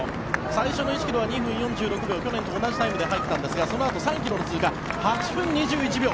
最初の１ｋｍは２分４６秒去年と同じタイムで入ったんですがそのあと３ｋｍの通過８分２１秒。